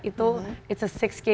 itu kamera enam k